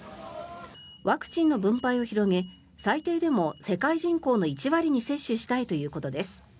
ワクチンの分配を広げ最低でも世界人口の１割に接種したいということです。